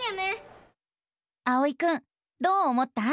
あおいくんどう思った？